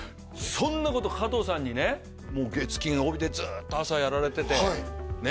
そんなこと加藤さんにねもう月金帯でずっと朝やられててね